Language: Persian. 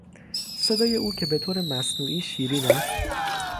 صدای او که بهطور مصنوعی شیرین است